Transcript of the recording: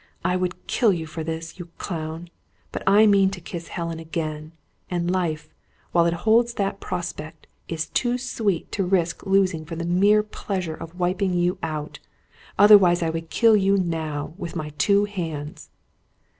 "I would kill you for this, you clown! But I mean to kiss Helen again; and life, while it holds that prospect, is too sweet to risk losing for the mere pleasure of wiping you out. Otherwise, I would kill you now, with my two hands."